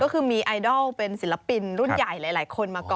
ก็คือมีไอดอลเป็นศิลปินรุ่นใหญ่หลายคนมาก่อน